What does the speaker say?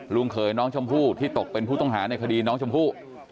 เขยน้องชมพู่ที่ตกเป็นผู้ต้องหาในคดีน้องชมพู่